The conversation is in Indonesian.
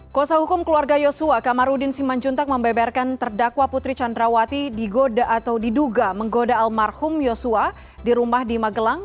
kuasa hukum keluarga yosua kamarudin simanjuntak membeberkan terdakwa putri candrawati digoda atau diduga menggoda almarhum yosua di rumah di magelang